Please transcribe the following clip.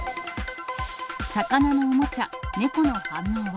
魚のおもちゃ、猫の反応は？